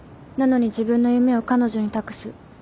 なのに自分の夢を彼女に託す。